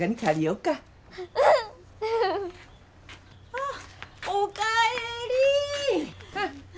ああお帰り！